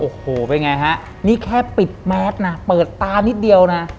โอ้โหเป็นไงฮะนี่แค่ปิดแมสนะเปิดตานิดเดียวนะ